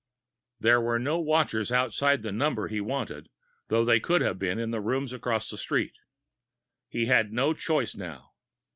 There were no watchers outside the number he wanted, though they could have been in rooms across the street. He had no choice, now.